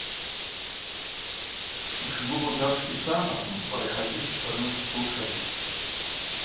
Ушгвыгъуз апшта йцама момкӏва айхӏагьи швчпарныс швылшама?